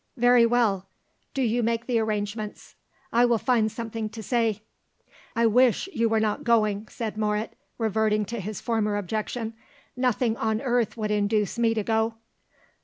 "Very well; do you make the arrangements; I will find something to say." "I wish you were not going," said Moret, reverting to his former objection; "nothing on earth would induce me to go."